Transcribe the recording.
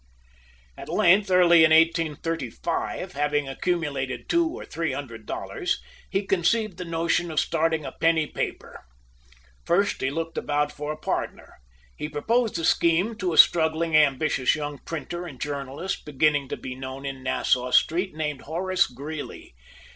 At length, early in 1835, having accumulated two or three hundred dollars, he conceived the notion of starting a penny paper. First he looked about for a partner. He proposed the scheme to a struggling, ambitious young printer and journalist, beginning to be known in Nassau Street, named Horace Greeley.